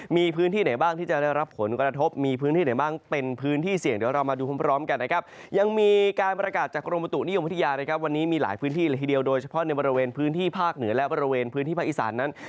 มีหลายพื้นที่เลยทีเดียวโดยเฉพาะในบริเวณพื้นที่ภาคเหนือและบริเวณพื้นที่ภาคอีสานนั้น